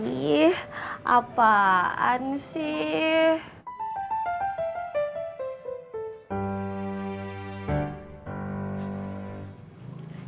ih apaan sih